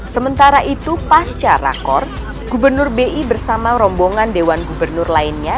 sementara itu pasca rakor gubernur bi bersama rombongan dewan gubernur lainnya